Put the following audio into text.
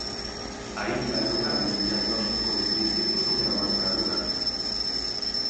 Aínda non hai un diagnóstico definitivo sobre a mancadura.